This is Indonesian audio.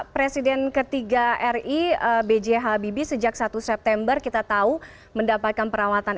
presiden ketiga ri b j habibie sejak satu september kita tahu mendapatkan perawatan